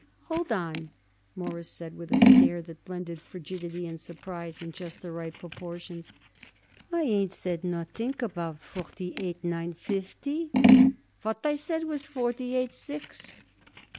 "Hold on." Morris said with a stare that blended frigidity and surprise in just the right proportions. "I ain't said nothing about forty eight nine fifty. What I said was forty eight six."